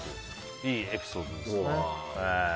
いいエピソードですね。